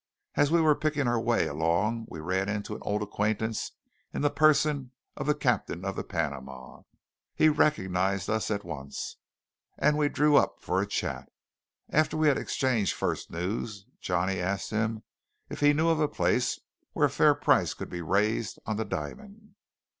As we were picking our way along we ran into an old acquaintance in the person of the captain of the Panama. He recognized us at once, and we drew up for a chat. After we had exchanged first news Johnny asked him if he knew of a place where a fair price could be raised on the diamond.